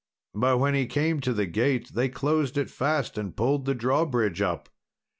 But when he came to the gate they closed it fast, and pulled the drawbridge up.